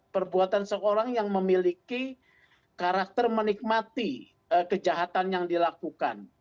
perbuatan seorang yang memiliki karakter menikmati kejahatan yang dilakukan